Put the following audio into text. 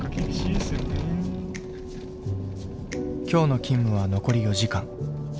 今日の勤務は残り４時間。